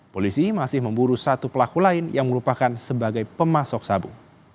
polisi masih memburu satu pelaku lain yang merupakan sebagai pemasok sabu